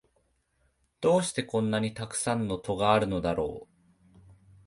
どうしてこんなにたくさん戸があるのだろう